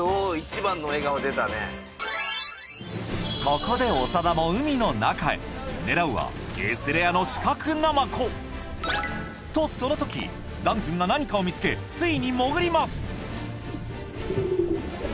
ここで長田も海の中へ狙うはＳレアのシカクナマコとそのとき談くんが何かを見つけついに潜ります